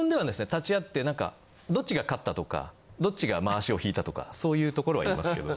立ち合ってなんかどっちが勝ったとかどっちがまわしをひいたとかそういうところはやりますけど。